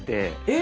え！